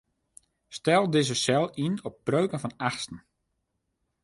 Stel dizze sel yn op breuken fan achtsten.